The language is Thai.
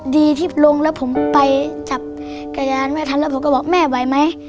ดีที่ลงแล้วผมไปจับกระยานไม่ทันแล้วผมก็บอกแม่ไหวไหม